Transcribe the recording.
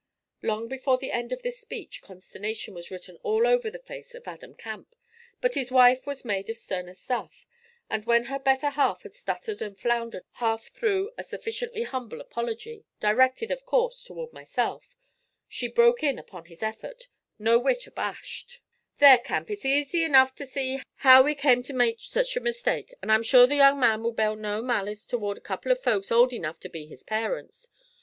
Long before the end of this speech consternation was written all over the face of Adam Camp, but his wife was made of sterner stuff, and when her better half had stuttered and floundered half through a sufficiently humble apology, directed, of course, toward myself, she broke in upon his effort, no whit abashed: 'There, Camp, it's easy enough ter see how we came ter make sech a mistake, and I'm sure the young man will bear no malice to'ard a couple of folks old enough ter be his parients.